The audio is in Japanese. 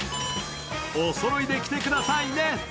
おそろいで着てくださいね。